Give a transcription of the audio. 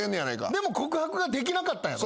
でも告白ができなかったんやろ？